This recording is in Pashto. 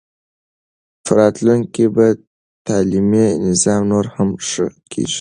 په راتلونکي کې به تعلیمي نظام نور هم ښه کېږي.